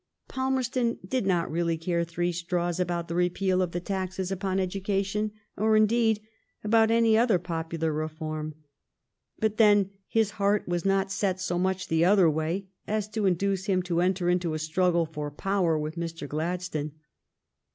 Palmerston did not really care three straws about the repeal of the taxes upon education, or, indeed, about any other popular reform. But then his heart was not set so much the other way as to induce him to enter into a struggle for power with Mr. Gladstone.